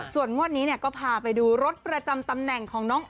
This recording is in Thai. ส่วนงวดนี้ก็พาไปดูรถประจำตำแหน่งของน้อง